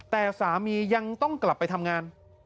แต่สามียังต้องกลับไปทำงาน